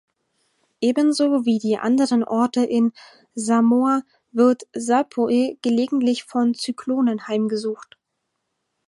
Ebenso wie die anderen Orte in Samoa wird Sapo’e gelegentlich von Zyklonen heimgesucht.